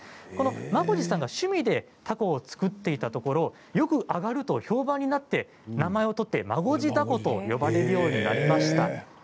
孫次さんが趣味で凧を作っていたところよく上がると評判になって名前を取って孫次凧と呼ばれるようになりました。